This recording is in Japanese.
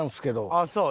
ああそう？